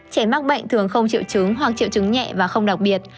trẻ mắc bệnh thường không chịu trứng hoặc chịu trứng nhẹ và không đặc biệt